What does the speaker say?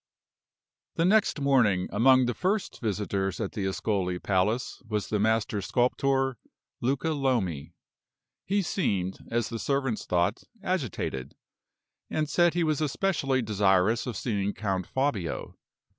The next morning, among the first visitors at the Ascoli Palace was the master sculptor, Luca Lomi. He seemed, as the servants thought, agitated, and said he was especially desirous of seeing Count Fabio.